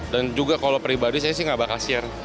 dan juga kalau pribadi saya sih tidak bakal share